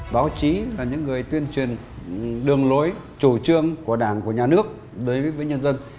báo chí là những người tuyên truyền đường lối chủ trương của đảng của nhà nước đối với nhân dân